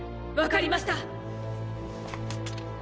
わかりました。